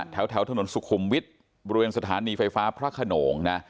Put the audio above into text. แถวถนนสุขุมวิทย์บริเวณสถานีไฟฟ้าพระขนงนะ